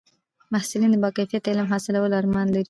محصلین د با کیفیته علم حاصلولو ارمان لري.